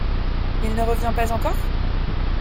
Il ne revient pas encore ?